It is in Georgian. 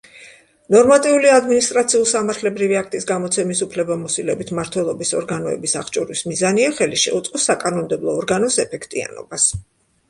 ნორმატიული ადმინისტრაციულ-სამართლებრივი აქტის გამოცემის უფლებამოსილებით მმართველობის ორგანოების აღჭურვის მიზანია, ხელი შეუწყოს საკანონმდებლო ორგანოს ეფექტიანობას.